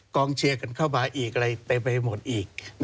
เชียร์กันเข้ามาอีกอะไรเต็มไปหมดอีก